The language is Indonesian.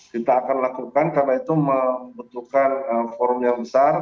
kita akan lakukan karena itu membutuhkan forum yang besar